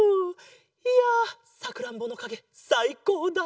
いやさくらんぼのかげさいこうだった。